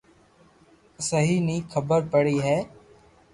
سھي ھي ني خبر پڙي ھي